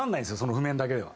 譜面だけでは。